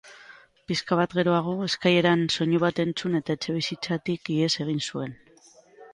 Pixka bat geroago, eskaileran soinu bat entzun eta etxebizitzatik ihes egin zuen.